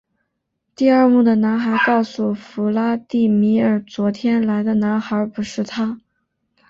第二幕的男孩告诉弗拉第米尔昨天来的男孩不是他。